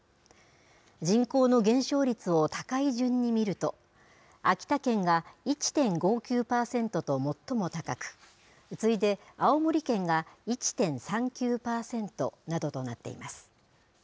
人口の減少率を高い順に見ると、秋田県が１．５９％と最も高く、次いで、青森県が１．３９％などとなっています。